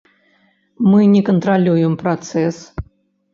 Мы не кантралюем працэс.